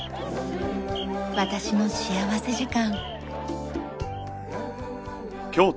『私の幸福時間』。